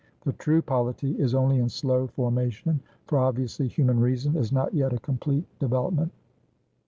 The true polity is only in slow formation; for, obviously, human reason is not yet a complete development.